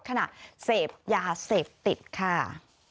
ขณะเสพยาเสพติดค่ะ